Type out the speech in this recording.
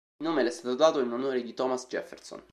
Il nome le è stato dato in onore di Thomas Jefferson.